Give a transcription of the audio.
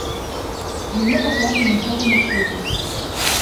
Мне дакладна нічога не свеціць!